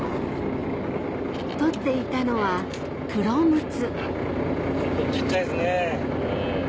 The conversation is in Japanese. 捕っていたのはクロムツちょっと小っちゃいですね。